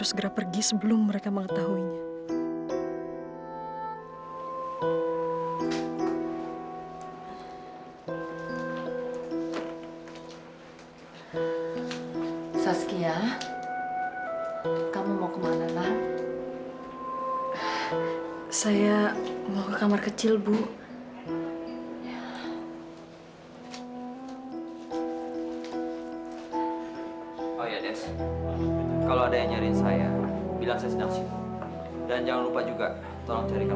sampai jumpa di video selanjutnya